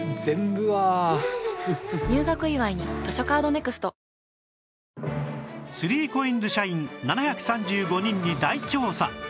Ｎｏ．１３ＣＯＩＮＳ 社員７３５人に大調査